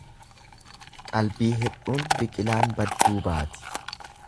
Qalbii hir'uun biqilaan badduu baati.